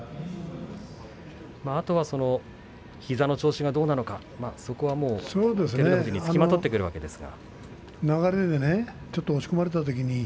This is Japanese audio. あとは膝の調子はどうなのかそれは照ノ富士につきまとってくるわけですが。